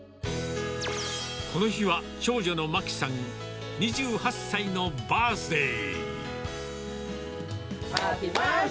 この日は、長女のまきさん、２８歳のバースデー。